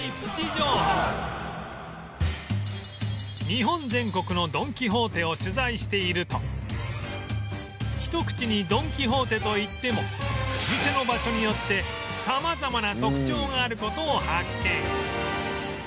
日本全国のドン・キホーテを取材しているとひと口にドン・キホーテといってもお店の場所によって様々な特徴がある事を発見